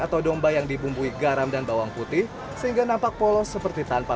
atau domba yang dibumbui garam dan bawang putih sehingga nampak polos seperti tanpa